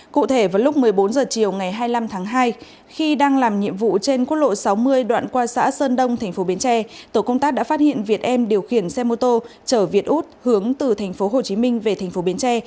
cụ thể vào lúc một mươi bốn h chiều ngày hai mươi năm tháng hai khi đang làm nhiệm vụ trên quốc lộ sáu mươi đoạn qua xã sơn đông thành phố biến tre tổ công tác đã phát hiện việt em điều khiển xe mô tô chở việt út hướng từ thành phố hồ chí minh về thành phố biến tre